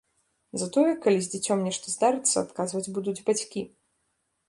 Затое, калі з дзіцём нешта здарыцца, адказваць будуць бацькі.